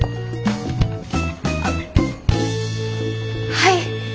はい。